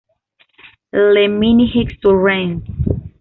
Le Minihic-sur-Rance